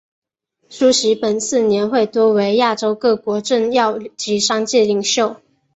出席本次年会多为亚洲各国政要及商界领袖。